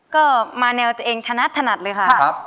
ก็มาแนวตัวเองถนัดถนัดเลยค่ะ